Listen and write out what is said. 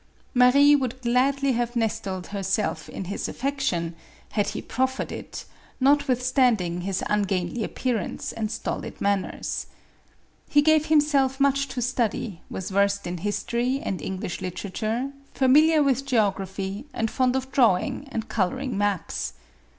Marie would gladly have nestled herself in his affection, MARIK ANTOINETTE. 467 had he proffered it, notwithstanding his ungainly ap pearance and stolid manners. He gave himself much to study, was versed in history and English literature, familiar with geography, and fond of drawing and col oring maps.